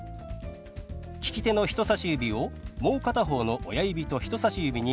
利き手の人さし指をもう片方の親指と人さし指に軽く当てます。